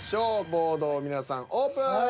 ボードを皆さんオープン。